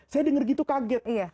saya denger gitu kaget